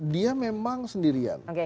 dia memang sendirian